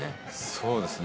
そうですね。